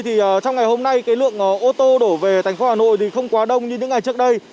trong ngày hôm nay lượng ô tô đổ về thành phố hà nội không quá đông như những ngày trước đây